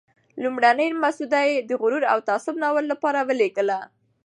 لومړنی مسوده یې د "غرور او تعصب" ناول لپاره ولېږله.